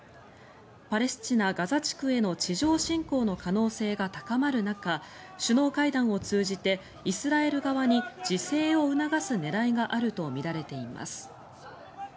パレスチナ・ガザ地区への地上侵攻の可能性が高まる中首脳会談を通じてイスラエル側に自制を促す狙いがあるとみられています。